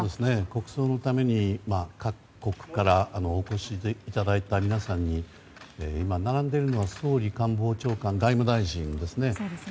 国葬のために各国からお越しいただいた皆さんに並んでいるのは総理、官房長官外務大臣ですね。